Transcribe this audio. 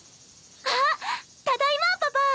あっただいまパパ！